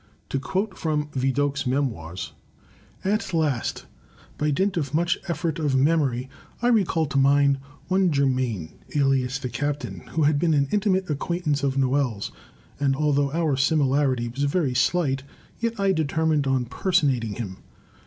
To quote from Vidocq's Memoirs: At last, by dint of much effort of memory, I recalled to mind one Germain, alias "the Captain," who had been an intimate acquaint ance of Noel's, and although our similarity was very slight, yet I determined on personating him.